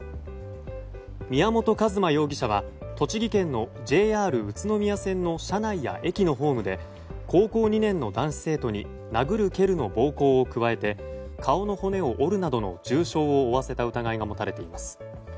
宮本一馬容疑者は栃木県のＪＲ宇都宮線の車内や駅のホームで高校２年の男子生徒に殴る蹴るの暴行を加えて顔の骨を折るなどの重傷を負わせた疑いが持たれています。